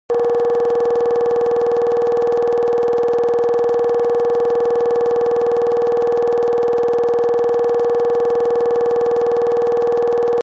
Абыхэм мэкъу пыупщӀыгъуэм, Ӏэтыжыгъуэм сашэрт, игъуэ ихуэхэмэ, кыздэджэгухэрт, сагъэкъуейщӀейт.